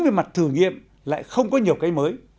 với mặt thử nghiệm lại không có nhiều cái mới